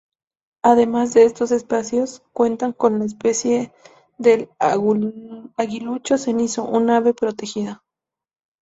Además estos espacios cuentan con la especie del aguilucho cenizo, un ave protegida.